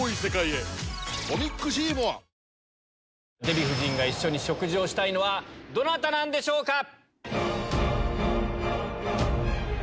デヴィ夫人が一緒に食事したいのはどなたなんでしょうか？